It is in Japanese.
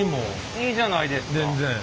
いいじゃないですか。